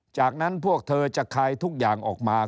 จากนั้นพวกเธอจะคลายทุกอย่างออกมา